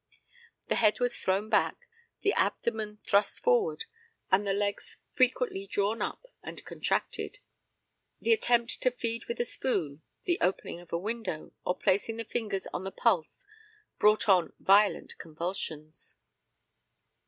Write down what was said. The head was thrown back, the abdomen thrust forward, and the legs frequently drawn up and contracted; the attempt to feed with a spoon, the opening of a window, or placing the fingers on the pulse brought on violent convulsions.